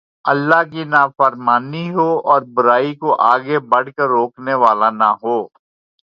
اللہ کی نافرمانی ہو اور برائی کوآگے بڑھ کر روکنے والا نہ ہو